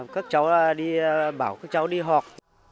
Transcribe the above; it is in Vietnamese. các cháu bảo các cháu đi học